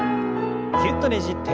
ぎゅっとねじって。